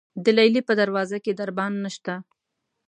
د لیلې په دروازه کې دربان نشته.